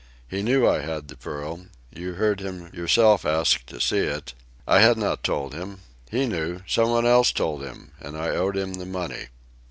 He knew I had the pearl. You heard him yourself ask to see it. I had not told him. He knew. Somebody else told him. And I owed him the money."